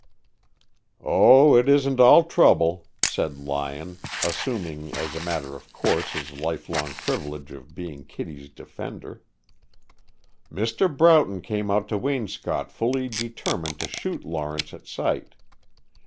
"Oh, it isn't all trouble," said Lyon, assuming as a matter of course his life long privilege of being Kittie's defender. "Mr. Broughton came out to Waynscott fully determined to shoot Lawrence at sight.